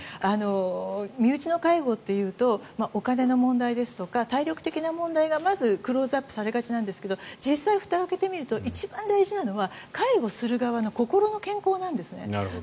身内の介護というとお金の問題ですとか体力的な問題がまずクローズアップされがちなんですけど実際、ふたを開けてみると一番大事なのは、介護する側の心の健康なんですね。